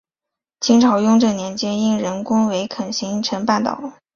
清朝雍正年间因人工围垦形成半岛。